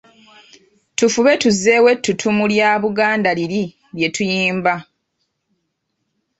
Tufube tuzzeewo ettutumu lya Buganda liri lye tuyimba.